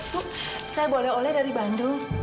bu saya boleh oleh dari bandung